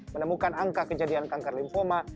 menemukan angka kejadian kanker lymphoma